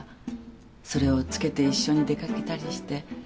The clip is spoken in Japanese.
それを着けて一緒に出掛けたりして。